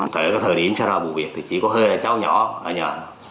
tại thời điểm xa ra vụ việc thì chỉ có hơi là cháu nhỏ ở nhà